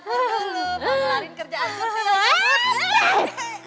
pak pelarin kerjaan surti